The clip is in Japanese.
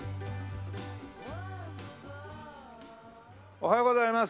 おはようございます。